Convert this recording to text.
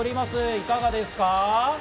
いかがですか？